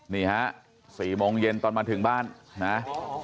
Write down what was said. นี่ฮะ๔โมงเย็นตอนมาถึงบ้านนะ